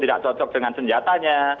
tidak ada yang cocok dengan senjatanya